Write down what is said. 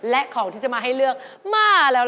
และของที่จะมาให้เลือกมาแล้วค่ะ